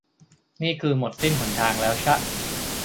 นี่คือหมดสิ้นหนทางแล้วช่ะ